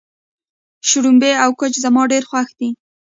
شړومبی او کوچ زما ډېر خوښ دي.